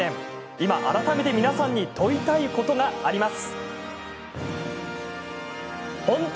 今、改めて皆さんに問いたいことがあります。